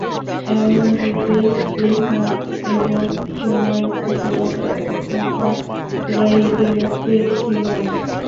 এমন যুদ্ধ-স্পৃহা এবং সমর-কুশলতা ও প্রজ্ঞা কুরাইশদের মধ্যে ছিলনা।